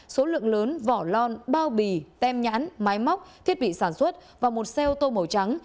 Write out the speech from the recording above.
số lượng lớn vỏ lon bao bì tem nhãn máy móc thiết bị sản xuất và một xe ô tô màu trắng